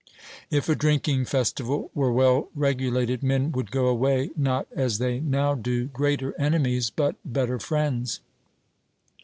If a drinking festival were well regulated, men would go away, not as they now do, greater enemies, but better friends.